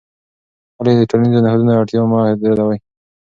ولې د ټولنیزو نهادونو اړتیا مه ردوې؟